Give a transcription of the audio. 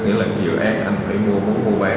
nghĩa là dự án anh phải mua bốn mua bán